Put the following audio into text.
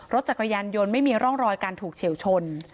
รถจักรยานยนต์ไม่มีร่องรอยการถูกเฉียวชน